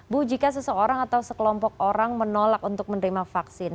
bu jika seseorang atau sekelompok orang menolak untuk menerima vaksin